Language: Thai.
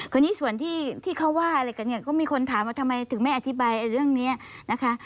คนนี้ส่วนที่เขาว่าอะไรกันเนี่ยก็มีคนถามว่าทำไมถึงไม่อธิบายเรื่องนี้นะคะ